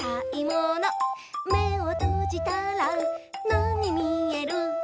「めをとじたらなにみえる？」